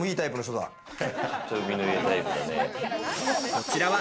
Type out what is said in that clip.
こちらは